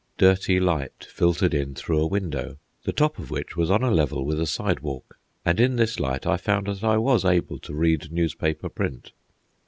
Dirty light filtered in through a window, the top of which was on a level with a sidewalk, and in this light I found that I was able to read newspaper print.